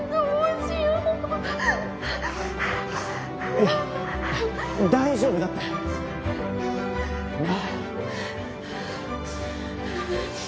いや、大丈夫だって。なあ。